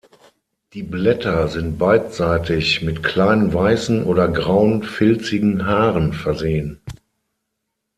Die Blätter sind beidseitig mit kleinen weißen oder grauen, filzigen Haaren versehen.